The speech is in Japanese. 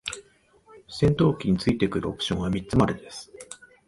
戦闘機に付いてくるオプションは三つまでです。